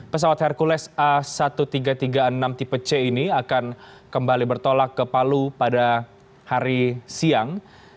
pesawat hercules a seribu tiga ratus tiga puluh enam tipe c ini akan kembali bertolak ke palu pada hari siang